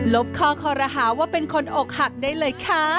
บข้อคอรหาว่าเป็นคนอกหักได้เลยค่ะ